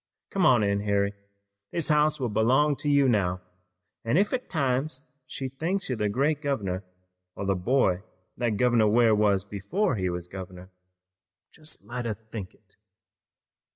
Come on in, Harry, this house will belong to you now, an' ef at times she thinks you're the great governor, or the boy that Governor Ware was before he was governor, jest let her think it."